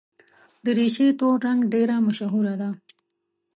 دریشي تور رنګ ډېره مشهوره ده.